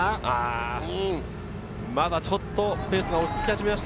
まだちょっとペースが落ち着き始めました。